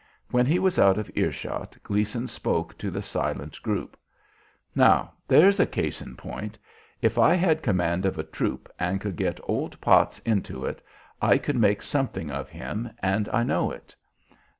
When he was out of earshot, Gleason spoke to the silent group, "Now, there's a case in point. If I had command of a troop and could get old Potts into it I could make something of him, and I know it."